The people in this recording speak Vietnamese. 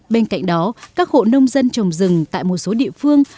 bên cạnh đó các hộ nông dân trồng rừng tại một số địa phương